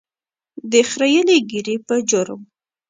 د خرییلې ږیرې په جرم.